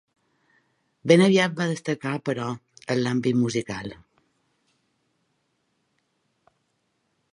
Ben aviat va destacar, però, en l’àmbit musical.